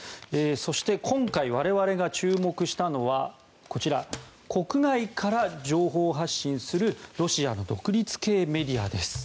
そして今回、我々が注目したのはこちら、国外から情報発信するロシアの独立系メディアです。